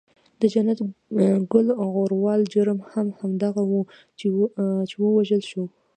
د جنت ګل غروال جرم هم همدغه وو چې و وژل شو.